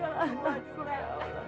selamatkan anakku ya allah